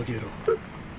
えっ？